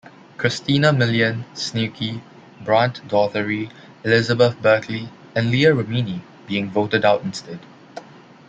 Christina Milian, Snooki, Brant Daugherty, Elizabeth Berkley, and Leah Remini being voted out instead.